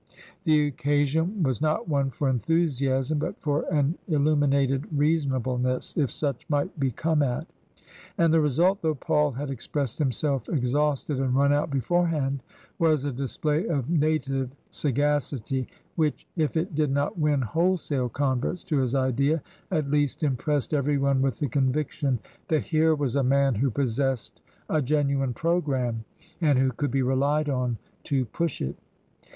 The 19* 222 TRANSITION. occasion was not one for enthusiasm but for an illu minated reasonableness, if such might be come at. And the result, though Paul had expressed himself exhausted and run out beforehand, was a display of native sagacity which if it did not win wholesale converts to his Idea, at least impressed everyone with the conviction that here was a man who possessed a genuine programme and who could be relied on to push it.